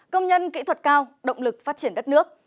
công nhân kỹ thuật cao động lực phát triển đất nước